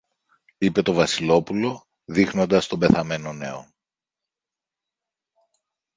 είπε το Βασιλόπουλο, δείχνοντας τον πεθαμένο νέο.